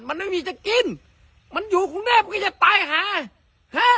มันไม่มีจะกินมันอยู่กรุงเทพมันก็จะตายหาฮะ